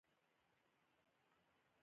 درې پينځوسم لوست